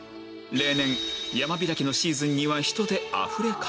例年山開きのシーズンには人であふれかえる